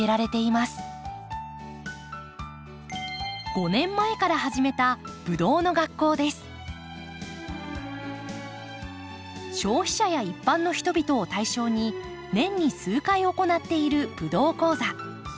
５年前から始めた消費者や一般の人々を対象に年に数回行っているブドウ講座。